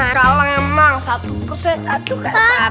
aduh kak sarah yang menang